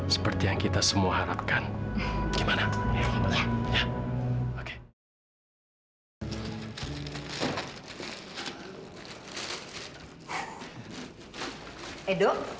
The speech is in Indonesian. seperti yang kita semua harapkan gimana ya oke